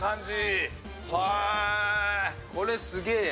これすげえや。